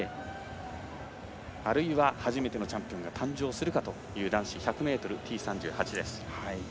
あるいは初めてのチャンピオンが誕生するかという男子１００ｍＴ３８です。